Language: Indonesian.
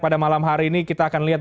pada malam hari ini kita akan lihat